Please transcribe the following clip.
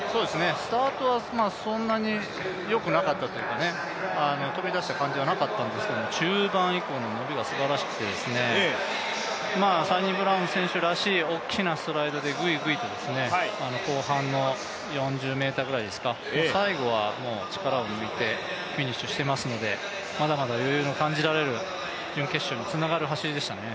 スタートはそんなによくなかったというか、飛び出した感じはなかったんですけれども、中盤以降の伸びがすばらしくて、サニブラウン選手らしい大きなストライドでぐいぐいと後半の４０ｍぐらいですか最後は力を抜いて、フィニッシュしていますので、まだまだ余裕の感じられる準決勝につながる走りでしたね。